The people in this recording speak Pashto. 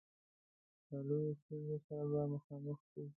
د لویو ستونزو سره به مخامخ سي.